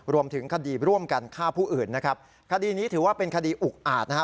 รวมถึงคดีร่วมกันฆ่าผู้อื่นนะครับคดีนี้ถือว่าเป็นคดีอุกอาจนะฮะ